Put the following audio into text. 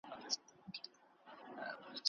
راځه ولاړ سو له دې ښاره مرور سو له جهانه